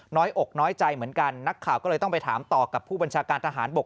น้อยอกน้อยใจเหมือนกันนักข่าวก็เลยต้องไปถามต่อกับผู้บัญชาการทหารบก